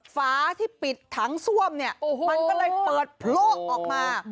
ฝาที่ปิดถังซ่วมเนี่ยมันก็เลยเปิดโพลกออกมา